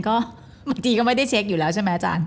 ก็บางทีก็ไม่ได้เช็คอยู่แล้วใช่ไหมอาจารย์